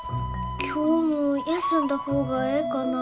今日も休んだ方がええかな？